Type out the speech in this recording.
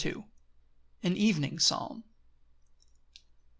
An evening Psalm.